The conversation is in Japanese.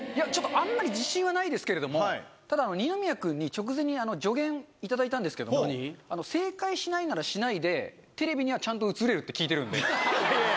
いや、ちょっとあんまり自信はないですけど、二宮君に直前に助言いただいたんですけど、正解しないならしないで、テレビにはちゃんと映れるって聞いてるんで。